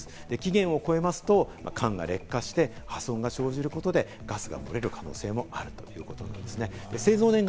期限を超えますと、缶が劣化して、破損が生じることで、ガスが漏れる可能性もあるということですね。